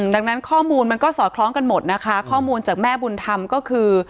ดังนั้นข้อมูลมันก็สอดคล้องกันหมดนะคะข้อมูลจากแม่บุญธรรมก็คือ